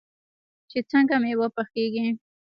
چې څنګه میوه پخیږي.